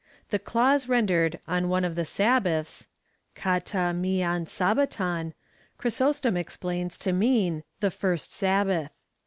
The clause rendered on one of the Sabbaths, (Kara fjulav aa^^drcov,) Chrysostom explains to mean — the first Sabbath.